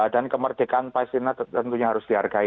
dan kemerdekaan palestina tentunya harus dihargai